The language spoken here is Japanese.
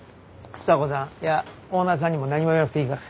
房子さんいやオーナーさんにも何も言わなくていいから。